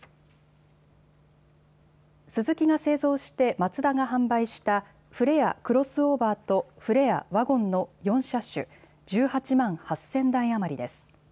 スズキが製造してマツダが販売したフレアクロスオーバーとフレアワゴンの４車種、１８万８０００台余りです。